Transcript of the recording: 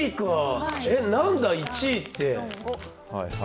何だ、１位って。